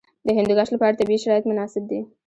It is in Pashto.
د هندوکش لپاره طبیعي شرایط مناسب دي.